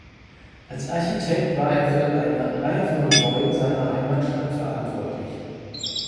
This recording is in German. Als Architekt war er für eine Reihe von Gebäuden seiner Heimatstadt verantwortlich.